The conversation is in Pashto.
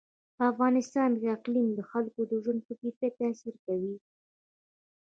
په افغانستان کې اقلیم د خلکو د ژوند په کیفیت تاثیر کوي.